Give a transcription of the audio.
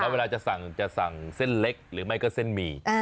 แล้วเวลาจะสั่งเส้นเล็กหรือไม่ก็เส้นหมี่